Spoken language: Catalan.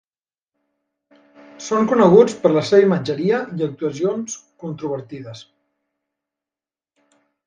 Són coneguts per la seva imatgeria i actuacions controvertides.